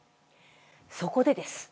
そこでです。